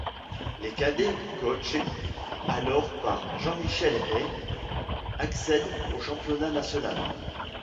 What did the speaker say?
Les cadets coachés, alors par Jean-Michel Hay accèdent au championnat National.